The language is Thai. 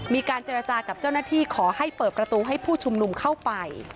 มีการเจรจากับเจ้าหน้าที่ขอให้เปิดประตูให้ผู้ชุมนุมเข้าไป